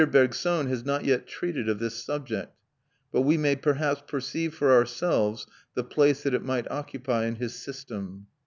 Bergson has not yet treated of this subject; but we may perhaps perceive for ourselves the place that it might occupy in his system.